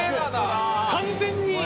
完全に。